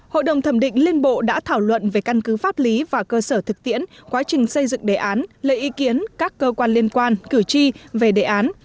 hội đồng thẩm định liên bộ đã thảo luận về căn cứ pháp lý và cơ sở thực tiễn quá trình xây dựng đề án lời ý kiến các cơ quan liên quan cử tri về đề án